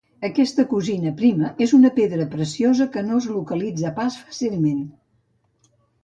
Aquesta "cosina prima" és una pedra preciosa que no es localitza pas fàcilment.